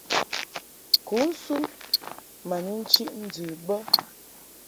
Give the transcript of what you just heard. Kǔnsun ma ni nchiʼ ndɨ bə.